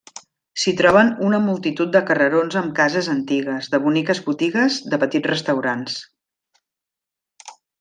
S'hi troben una multitud de carrerons amb cases antigues, de boniques botigues, de petits restaurants.